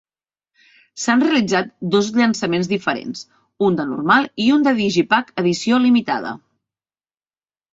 S'han realitzat dos llançaments diferents, un de normal i un de digipack edició limitada.